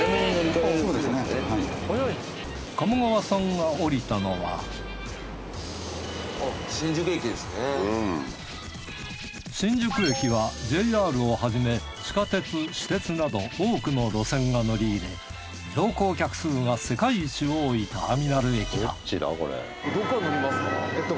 鴨川さんが降りたのは新宿駅はＪＲをはじめ地下鉄私鉄など多くの路線が乗り入れ乗降客数が世界一多いターミナル駅だ。